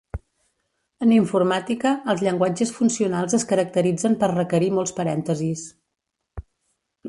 En informàtica, els llenguatges funcionals es caracteritzen per requerir molts parèntesis.